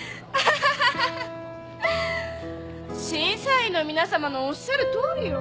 審査員の皆さまのおっしゃるとおりよ。